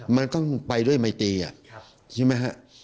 มันก็ไปด้วยไมตีน่ะใช่ไหมฮะ